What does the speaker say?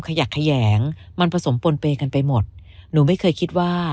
ขยักแขยงมันผสมปนเปย์กันไปหมดหนูไม่เคยคิดว่า